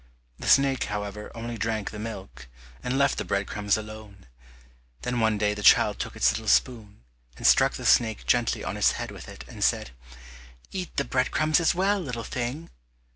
The snake, however, only drank the milk, and left the bread crumbs alone. Then one day the child took its little spoon and struck the snake gently on its head with it, and said, "Eat the bread crumbs as well, little thing."